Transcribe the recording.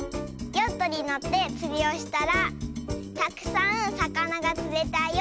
「ヨットにのってつりをしたらたくさんさかながつれたよ」。